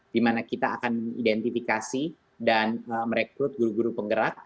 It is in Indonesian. di mana kita akan mengidentifikasi dan merekrut guru guru penggerak